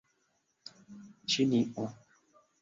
ĉinio